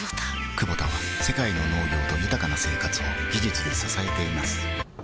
クボタは世界の農業と豊かな生活を技術で支えています起きて。